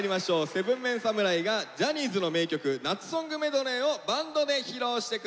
７ＭＥＮ侍がジャニーズの名曲夏ソングメドレーをバンドで披露してくれます。